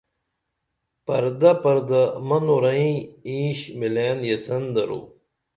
پردہ پردہ منورئیں انیش مِلیئن یسین درو